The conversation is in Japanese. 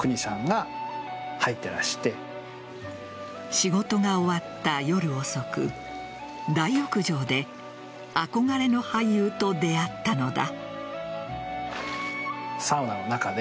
仕事が終わった夜遅く大浴場で憧れの俳優と出会ったのだ。